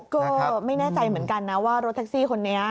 ก็ไม่แน่ใจเหมือนกันนะว่ารถแท็กซี่คนนี้